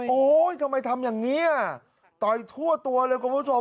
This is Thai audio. โอ้โหทำไมทำอย่างนี้ต่อยทั่วตัวเลยคุณผู้ชม